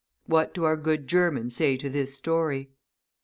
What do our good Germans say to this story?